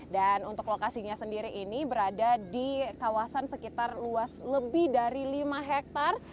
dan untuk lokasinya sendiri ini berada di kawasan sekitar luas lebih dari lima hektare